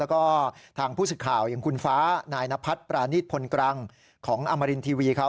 แล้วก็ทางผู้สิทธิ์ข่าวอย่างคุณฟ้านายนพัฒน์ปราณิตพลกรังของอมรินทีวีเขา